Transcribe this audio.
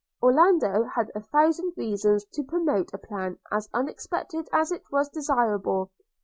Orlando had a thousand reasons to promote a plan as unexpected as it was desirable.